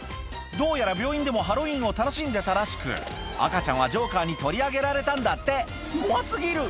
どうやら病院でもハロウィーンを楽しんでたらしく赤ちゃんはジョーカーに取り上げられたんだって怖過ぎる！